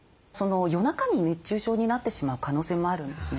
夜中に熱中症になってしまう可能性もあるんですね。